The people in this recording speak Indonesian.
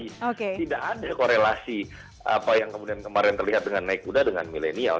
tidak ada korelasi apa yang kemudian kemarin terlihat dengan naik kuda dengan milenial